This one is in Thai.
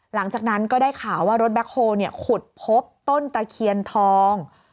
หลังจากนั้นก็ได้ข่าวว่ารถแบ็คโฮลขุดพบต้นตะเคียนทอง